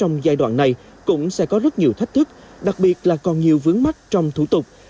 trong giai đoạn này cũng sẽ có rất nhiều thách thức đặc biệt là còn nhiều vướng mắt trong thủ tục